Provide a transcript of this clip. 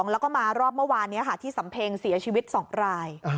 แล้วก็มารอบเมื่อวานนี้ที่สำเพ็งเสียชีวิต๒ราย